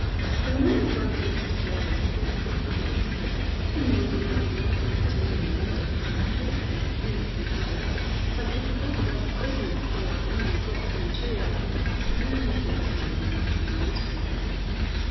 The moment one takes to bed he gets sympathy. He may be suffering from a tearing headache or a tooth that makes him cry out; but if he goes about his business, or even flops in a chair, true sympathy is denied him.